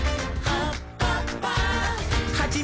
「はっぱっぱ！」